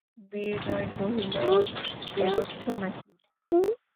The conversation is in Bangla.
বিনয় কহিল, বেরোচ্ছ নাকি?